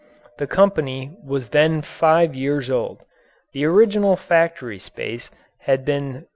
The company was then five years old. The original factory space had been